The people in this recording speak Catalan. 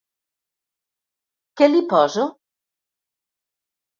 Què li poso?